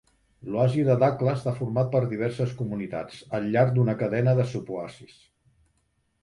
L'oasi de Dakhla està format per diverses comunitats, al llarg d'una cadena de suboasis.